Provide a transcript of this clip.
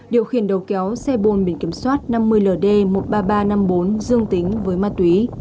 điều khiển đầu kéo xe bồn biển kiểm soát năm mươi ld một mươi ba nghìn ba trăm năm mươi bốn dương tính với ma túy